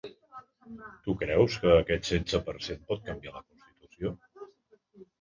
Tu creus que aquest setze per cent pot canviar la constitució?